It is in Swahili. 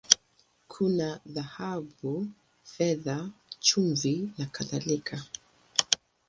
Kuna dhahabu, fedha, chumvi, na kadhalika.